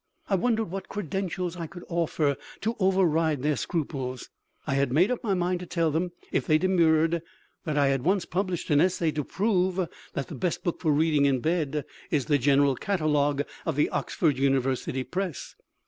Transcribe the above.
I wondered what credentials I could offer to override their scruples. I had made up my mind to tell them, if they demurred, that I had once published an essay to prove that the best book for reading in bed is the General Catalogue of the Oxford University Press.